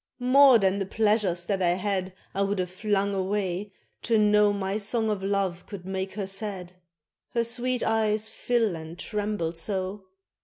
More than the pleasures that I had I would have flung away to know My song of love could make her sad, Her sweet eyes fill and tremble so.